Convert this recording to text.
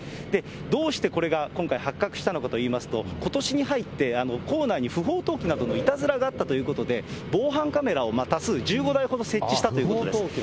どうしてこれが今回、発覚したのかといいますと、ことしに入って、構内に不法投棄などのいたずらがあったということで、防犯カメラを多数１５台ほど設置したということです。